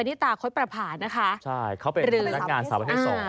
ใช่เขาเป็นพนักงานสาวใด๒